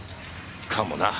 かもな。